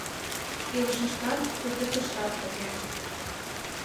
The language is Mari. Илышыштат, пӱртӱсыштат тыге.